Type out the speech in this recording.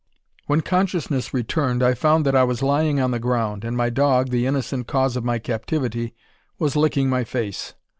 When consciousness returned, I found that I was lying on the ground, and my dog, the innocent cause of my captivity, was licking my face.